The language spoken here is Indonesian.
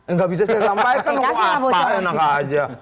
nggak bisa saya sampaikan oh kok apa enak aja